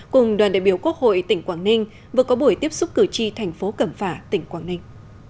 cùng đoàn đại biểu quốc hội tỉnh quảng ninh vừa có buổi tiếp xúc cử tri thành phố cẩm phả tỉnh quảng ninh